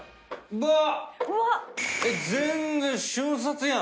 うわっ！